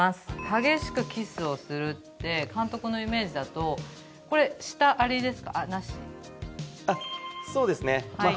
「激しくキスをする」って監督のイメージだとこれあっそうですね。